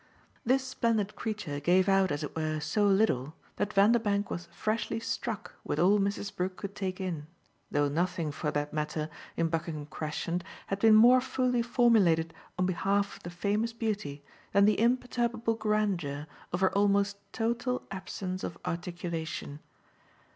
This splendid creature gave out, as it were, so little that Vanderbank was freshly struck with all Mrs. Brook could take in, though nothing, for that matter, in Buckingham Crescent, had been more fully formulated on behalf of the famous beauty than the imperturbable grandeur of her almost total absence of articulation.